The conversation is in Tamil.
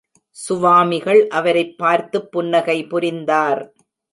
சுவாமிகள் அவரைப் பார்த்துப் புன்னகை புரிந்தார்.